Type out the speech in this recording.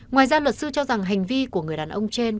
ngoài ra luật sư cho rằng hành vi của người đàn ông trên